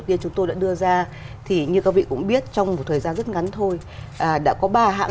như chúng tôi đã đưa ra thì như các vị cũng biết trong một thời gian rất ngắn thôi đã có ba hãng